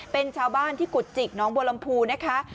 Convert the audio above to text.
เป็นชาวบ้านที่กุจิกน้องบัวลำพูนะคะ